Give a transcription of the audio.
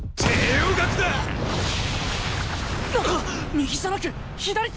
右じゃなく左隅！？